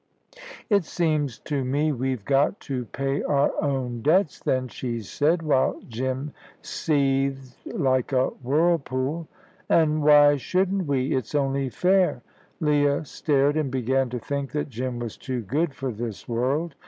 "It seems to me we've got to pay our own debts, then," she said, while Jim seethed like a whirlpool. "An' why shouldn't we? It's only fair." Leah stared, and began to think that Jim was too good for this world.